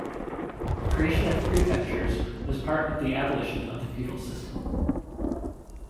The creation of prefectures was part of the abolition of the feudal system.